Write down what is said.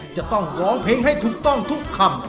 จะต้องร้องเพลงให้ถูกต้องทุกคำ